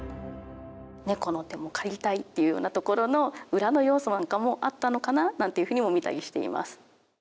「猫の手も借りたい」っていうようなところの裏の要素なんかもあったのかななんていうふうにも見たりしています。